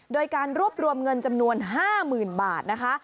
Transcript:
โดยการรวบรวมเงินจำนวน๕๐๐๐บาทนะคะ